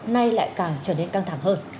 nay lại càng trở nên căng thẳng hơn